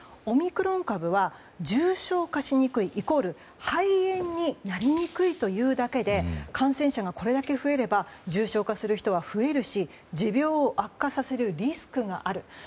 オミクロン株は重症化しにくいイコール肺炎になりにくいというだけで感染者がこれだけ増えれば重症化する人は増えるし持病を悪化させるリスクがある。